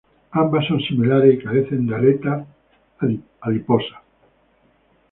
Ambas son similares y carecen de aleta adiposa.